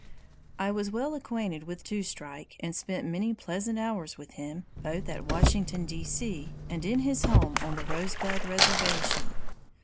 I was well acquainted with Two Strike and spent many pleasant hours with him, both at Washington, D. C., and in his home on the Rosebud reservation.